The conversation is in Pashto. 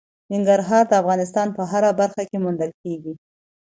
ننګرهار د افغانستان په هره برخه کې موندل کېږي.